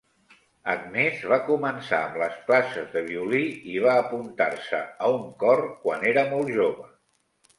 Agnès va començar amb les classes de violí i va apuntar-se a un cor quan era molt jove.